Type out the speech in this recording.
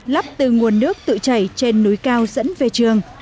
lắp từ nguồn nước tự chảy trên núi cao dẫn về trường